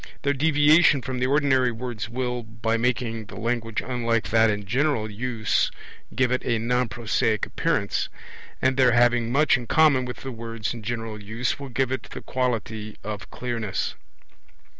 Their deviation from the ordinary words will, by making the language unlike that in general use give it a non prosaic appearance; and their having much in common with the words in general use will give it the quality of clearness.